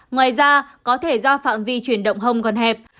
ngoài ra có thể do phạm vi chuyển động hông còn hẹp